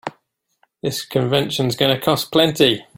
This convention's gonna cost plenty.